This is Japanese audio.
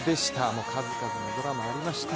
もう数々のドラマ、ありました。